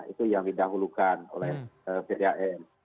itu yang didahulukan oleh pdam